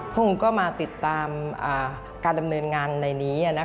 ผมก็มาติดตามการดำเนินงานในนี้